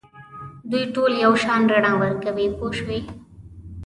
دوی ټول یو شان رڼا ورکوي پوه شوې!.